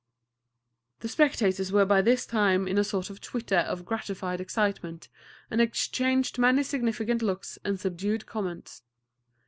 The spectators were by this time in a sort of twitter of gratified excitement, and exchanged many significant looks and subdued comments.